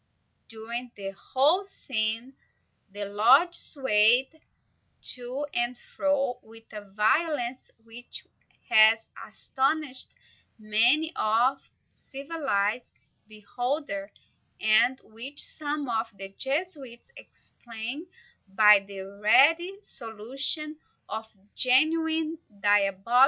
During the whole scene, the lodge swayed to and fro with a violence which has astonished many a civilized beholder, and which some of the Jesuits explain by the ready solution of a genuine diabolic intervention.